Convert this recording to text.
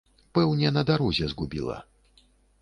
Пэўне, на дарозе згубіла.